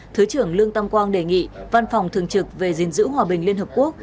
thứ trưởng lương tâm quang đề nghị văn phòng thường trực về giữ hòa bình liên hợp quốc